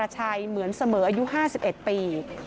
ชัยเหมือนเสมออายุ๕๑ปี